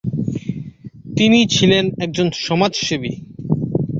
তিনি ছিলেন একজন সমাজসেবী।